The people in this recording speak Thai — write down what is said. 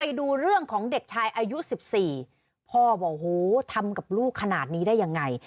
ไปดูเรื่องของเด็กชายอายุ๑๔พ่อบอกโหทำกับลูกขนาดนี้ได้ยังไง